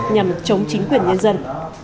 nhằm chống chính quyền nhân dân